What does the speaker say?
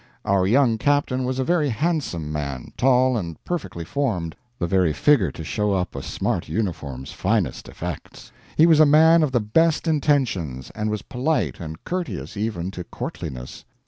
Our young captain was a very handsome man, tall and perfectly formed, the very figure to show up a smart uniform's finest effects. He was a man of the best intentions and was polite and courteous even to courtliness.